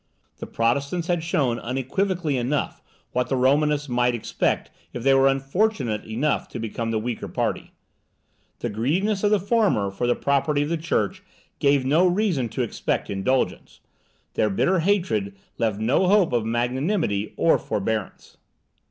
The Protestants had shown unequivocally enough what the Romanists might expect if they were unfortunate enough to become the weaker party. The greediness of the former for the property of the church, gave no reason to expect indulgence; their bitter hatred left no hope of magnanimity or forbearance.